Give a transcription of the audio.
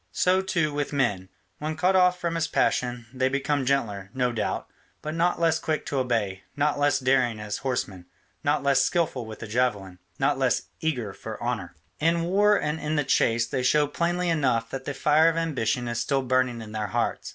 So, too, with men; when cut off from this passion, they become gentler, no doubt, but not less quick to obey, not less daring as horsemen, not less skilful with the javelin, not less eager for honour. In war and in the chase they show plainly enough that the fire of ambition is still burning in their hearts.